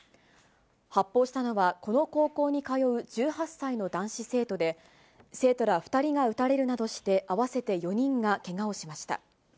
発砲したのは、この高校に通う１８歳の男子生徒で、生徒ら２人が撃たれるなどして、合わせて４人がけがをしました。